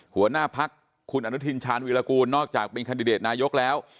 หัวหน้าพักคุณอนุทินชาญวิรากูลนอกจากเป็นคันดิเดตนายกแล้ว